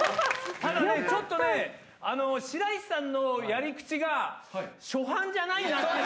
ただね、ちょっとね、白石さんのやり口が初犯じゃないなっていう。